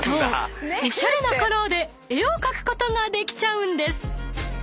おしゃれなカラーで絵を描くことができちゃうんです］